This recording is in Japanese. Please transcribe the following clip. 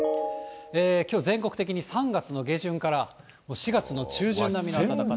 きょう、全国的に３月の下旬から４月の中旬並みの暖かさ。